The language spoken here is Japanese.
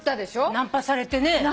ナンパされてね。